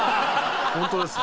ホントですね。